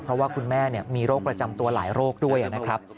เพราะว่าคุณแม่มีโรคประจำตัวหลายโรคด้วยนะครับ